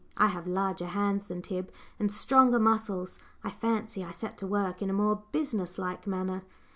I have larger hands than Tib, and stronger muscles; I fancy I set to work in a more business like manner.